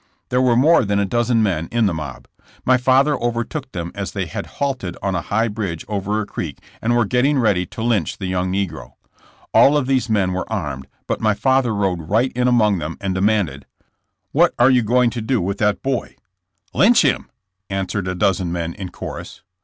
There were more than a dozen men in the mob. My father overtook them as they had halted on a high bridge over a creek and were getting ready to lynch the young negro. All of these men were armed, but my father rode right in among them and demanded: What are you going to do with that boy?*' Lynch him," answered a dozen men in chorus.